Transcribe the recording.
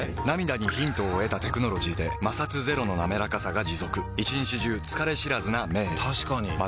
涙にヒントを得たテクノロジーで摩擦ゼロのなめらかさが持続一日中疲れ知らずな目へ確かに。